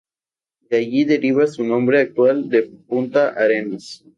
De allí deriva su nombre actual de Punta Arenas.